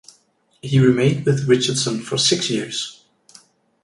He remained with Richardson for six years.